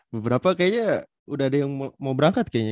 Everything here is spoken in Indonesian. beberapa kayaknya udah ada yang mau berangkat kayaknya